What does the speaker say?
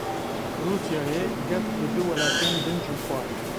Rûsyayê gef li du welatên din jî xwar.